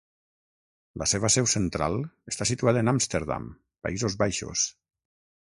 La seva seu central està situada en Amsterdam, Països Baixos.